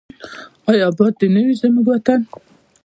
آیا اباد دې نه وي زموږ وطن؟